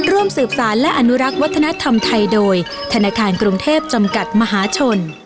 ร่วมสืบสารและอนุรักษ์วัฒนธรรมไทยโดยธนาคารกรุงเทพจำกัดมหาชน